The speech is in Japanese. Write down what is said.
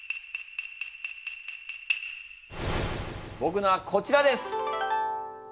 ぼくのはこちらです！